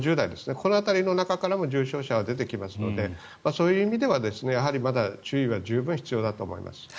この辺りの中からも重症者は出てきますのでそういう意味で注意は十分必要だと思います。